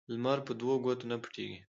لمر په دوو ګوتو نه پټیږي